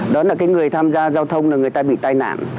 đó là cái người tham gia giao thông là người ta bị tai nạn